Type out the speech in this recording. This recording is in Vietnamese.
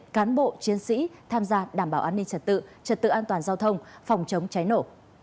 cán bộ chiến sĩ tham gia đảm bảo an ninh trật tự trật tự an toàn giao thông phòng chống cháy nổ